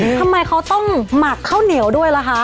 ทำไมเขาต้องหมักข้าวเหนียวด้วยล่ะคะ